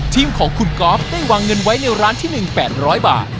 ทีมของคุณก๊อฟได้วางเงินไว้ในร้านที่๑๘๐๐บาท